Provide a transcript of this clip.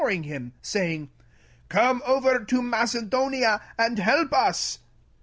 sought him, saying, " Come over into Macedonia, and help us."